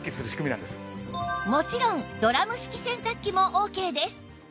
もちろんドラム式洗濯機もオーケーです